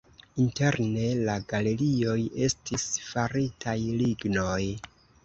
Interne la galerioj estis faritaj lignoj.